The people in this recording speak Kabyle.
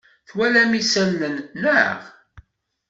Twalam isalan, naɣ?